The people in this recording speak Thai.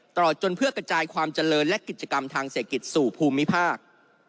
ตลอดจนเพื่อกระจายความเจริญและกิจกรรมทางเศรษฐกิจสู่ภูมิภาค